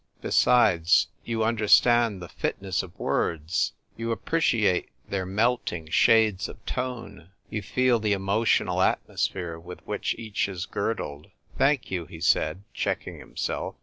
Besides, you understand the fitness of words ; you appreciate their melt ing shades of tcne ; you feel the emotional atmosphere with which each is girdled." " Thank you, " he said, checking himself.